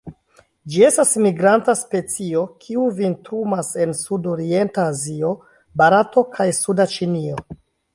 Ĝi estas migranta specio, kiu vintrumas en sudorienta Azio, Barato kaj suda Ĉinio.